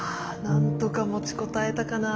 なんとか持ちこたえたかな。